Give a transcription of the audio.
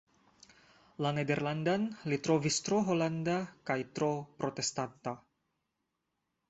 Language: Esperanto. La nederlandan li trovis tro holanda kaj tro protestanta.